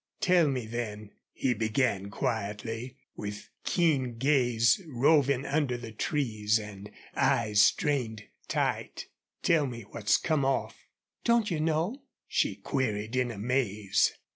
"Tell me, then," he began, quietly, with keen gaze roving under the trees and eyes strained tight, "tell me what's come off." "Don't you know?" she queried, in amaze.